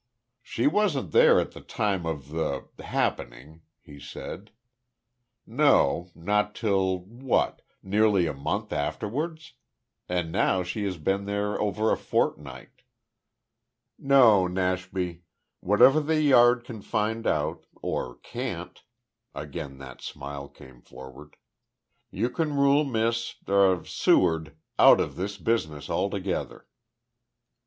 "She wasn't there at the time of the happening," he said. "No, not till what? Nearly a month afterwards? And now she has been there over a fortnight. No, Nashby. Whatever the Yard can find out or can't," again that smile came forward, "you can rule Miss er Seward out of this business altogether."